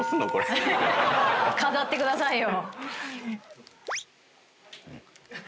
飾ってくださいよ。